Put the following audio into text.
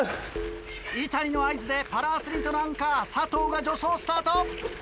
井谷の合図でパラアスリートのアンカー佐藤が助走をスタート。